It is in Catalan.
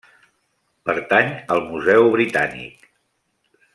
Pertany al Museu Britànic.